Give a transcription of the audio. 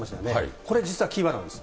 これ、実はキーワードなんです。